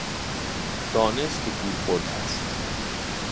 دانست که گول خورده است